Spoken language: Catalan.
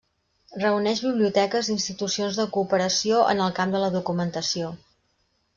Reuneix biblioteques i institucions de cooperació en el camp de la documentació.